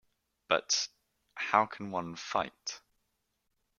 But — How can one fight?